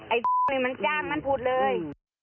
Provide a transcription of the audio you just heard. ไอ้มันแจ้งมันพูดเลย